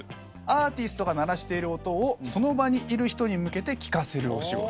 アーティストが鳴らしている音をその場にいる人に向けて聞かせるお仕事。